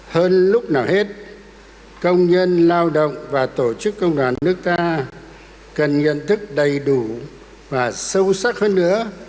hơn lúc nào hết công nhân lao động và tổ chức công đoàn nước ta cần nhận thức đầy đủ và sâu sắc hơn nữa